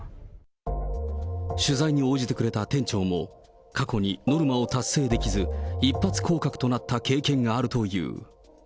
取材に応じてくれた店長も、過去にノルマを達成できず、一発降格となった経験があるという。